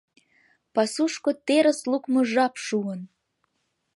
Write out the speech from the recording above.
Пасушко терыс лукмо жап шуын.